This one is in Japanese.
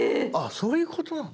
⁉そういうことなの？